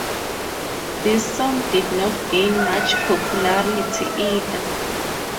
This song did not gain much popularity either.